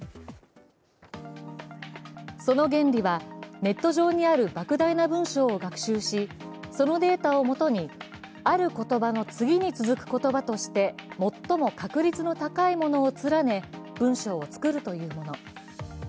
その原理は、ネット上にあるばく大な文章を学習し、そのデータをもとに、ある言葉の次に続く言葉として最も確率の高いものを連ね、文章を作るというもの。